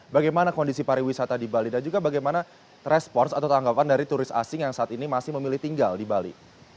bagaimana kondisi pariwisata di bali dan juga bagaimana respons atau tanggapan dari turis asing yang saat ini masih memilih tinggal di bali